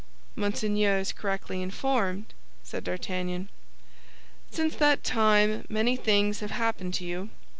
"Monseigneur is correctly informed," said D'Artagnan. "Since that time many things have happened to you.